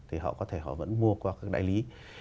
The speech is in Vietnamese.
thì họ có thể họ vẫn mua qua các đại lý